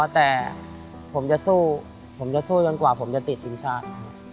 แต่ผมจะสู้ผมจะสู้จนกว่าผมจะติดทีมชาติ